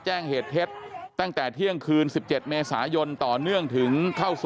แจ้งเหตุเท็จตั้งแต่เที่ยงคืน๑๗เมษายนต่อเนื่องถึงเข้าสู่